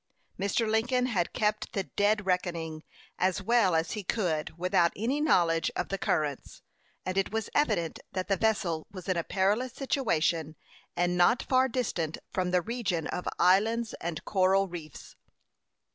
Mr. Lincoln had kept the "dead reckoning" as well as he could without any knowledge of the currents; and it was evident that the vessel was in a perilous situation, and not far distant from the region of islands and coral reefs.